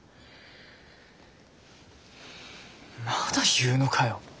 まだ言うのかよ。